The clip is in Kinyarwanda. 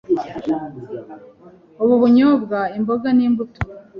” “ibubunyobwa, imboga, n’imbuto”